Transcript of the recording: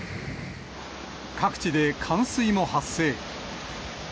各地で冠水も発生。